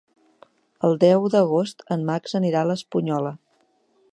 El deu d'agost en Max anirà a l'Espunyola.